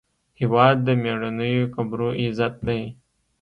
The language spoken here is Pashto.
هېواد د میړنیو قبرو عزت دی.